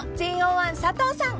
１佐藤さん］